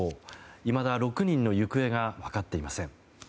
いまだ６人の行方が分かっていません。